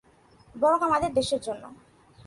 বরং আমাদের দেশের জন্য।